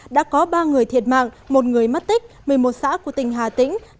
đã có ba người thiệt mạng một người mất tích một mươi một xã của tỉnh hà tĩnh